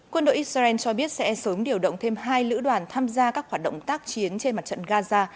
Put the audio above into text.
quân đội israel cho biết sẽ sớm điều động thêm hai lữ đoàn tham gia các hoạt động tác chiến trên mặt trận gaza